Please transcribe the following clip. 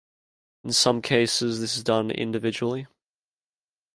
In some cases this is done individually.